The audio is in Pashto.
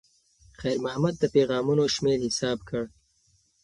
خیر محمد د پیغامونو شمېر حساب کړ.